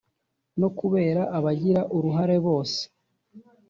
no kureba abagira uruhare bose